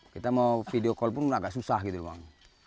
kita mau video call pun agak susah gitu bang